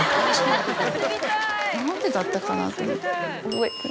何でだったかな？と思って。